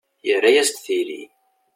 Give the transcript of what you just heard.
Yarra-as-d tili.